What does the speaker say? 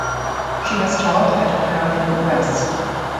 She has taught at Clarion West.